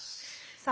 さあ